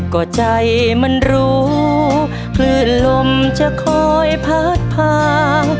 ก็ใจมันรู้คลื่นลมจะคอยพาดผ่าน